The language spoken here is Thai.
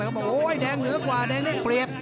ก็บอกว่าแดงเหนือกว่าแดงไม่เปรียบ